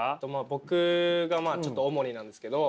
僕がちょっと主になんですけど。